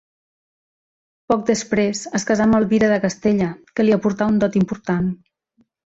Poc després es casà amb Elvira de Castella, que li aportà un dot important.